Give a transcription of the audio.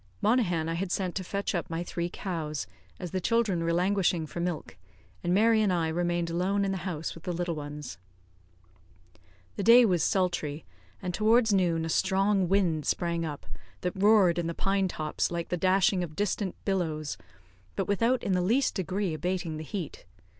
Monaghan I had sent to fetch up my three cows, as the children were languishing for milk, and Mary and I remained alone in the house with the little ones. The day was sultry, and towards noon a strong wind sprang up that roared in the pine tops like the dashing of distant billows, but without in the least degree abating the heat.